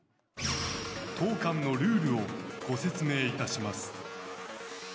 当館のルールをご説明いたします。